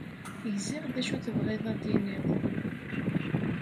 Gziɣ d acu tebɣiḍ ad d-tiniḍ.